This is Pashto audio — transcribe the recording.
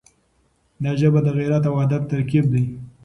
دا ژبه د غیرت او ادب ترکیب دی.